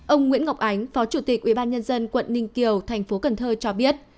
ông nguyễn ngọc ánh phó chủ tịch ubnd quận ninh kiều tp cn cho biết